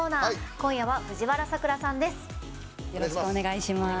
今夜は藤原さくらさんです。